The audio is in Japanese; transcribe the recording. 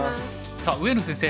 さあ上野先生。